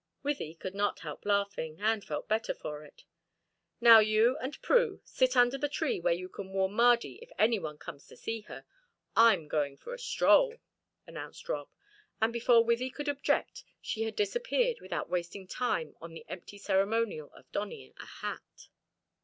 _" Wythie could not help laughing, and felt better for it. "Now, you and Prue, sit under the tree where you can warn Mardy if anyone comes to see her. I'm going for a stroll," announced Rob, and before Wythie could object she had disappeared without wasting time on the empty ceremonial of donning a hat.